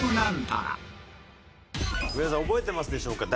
上田さん覚えてますでしょうか？